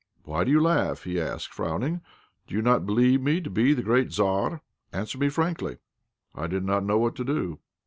"Why do you laugh?" he asked, frowning. "Do you not believe me to be the great Tzar? Answer me frankly." I did not know what to do.